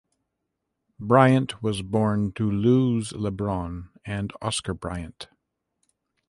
Bryant was born to Luz Lebron and Oscar Bryant.